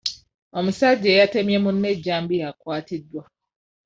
Omusajja eyatemye munne ejjambiya akwatiddwa.